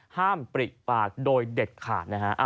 ปริปากโดยเด็ดขาดนะฮะ